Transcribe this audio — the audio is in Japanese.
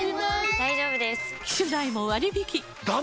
大丈夫です！